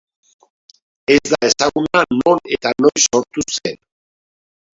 Ez da ezaguna non eta noiz sortu zen.